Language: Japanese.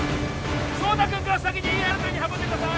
壮太君から先にＥＲカーに運んでください